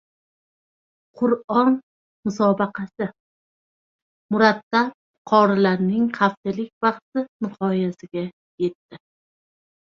Qur’on musobaqasi: Murattab qorilarning haftalik bahsi nihoyasiga yetdi